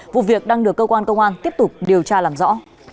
vụ việc đang được cơ quan công an tiếp tục điều tra làm rõ